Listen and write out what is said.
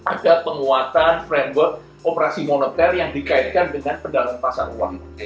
ada penguatan framework operasi moneter yang dikaitkan dengan pendalaman pasar uang